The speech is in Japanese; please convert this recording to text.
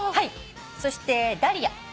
そしてダリア。